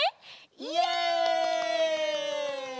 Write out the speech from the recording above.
イエイ！